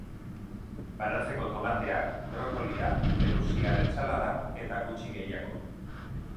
Baratzeko tomateak, brokolia, errusiar entsalada eta gutxi gehiago.